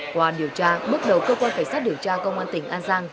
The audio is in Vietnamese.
qua điều tra bước đầu cơ quan cảnh sát điều tra công an tỉnh an giang